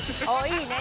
いいね